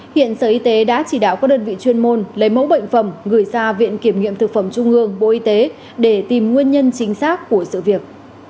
hiện sở y tế đã chỉ đạo các đơn vị chuyên môn lấy mẫu bệnh phẩm gửi ra viện kiểm nghiệm thực phẩm trung ương bộ y tế để tìm nguyên nhân chính xác của sự việc